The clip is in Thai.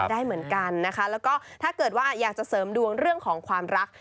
ได้เหมือนกันนะคะแล้วก็ถ้าเกิดว่าอยากจะเสริมดวงเรื่องของความรัก